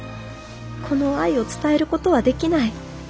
この愛を伝えることはできない。